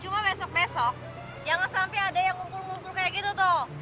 cuma besok besok jangan sampai ada yang ngumpul ngumpul kayak gitu tuh